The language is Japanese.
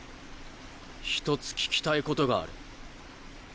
１つ聞きたいことがある。